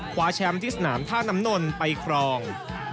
คว้าแชมป์ที่สนามท่าน้ำนนไปครอง